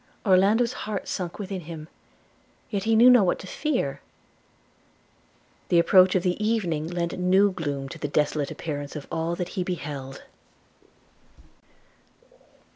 Orlando's heart sunk within him; yet he knew not what to fear! the approach of the evening lent new gloom to the desolate appearance of all that he beheld.